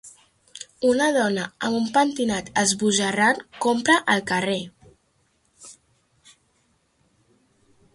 Una dona amb un pentinat esbojarrant compra al carrer.